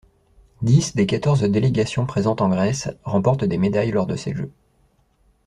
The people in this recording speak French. Dix des quatorze délégations présentes en Grèce remportent des médailles lors de ces Jeux.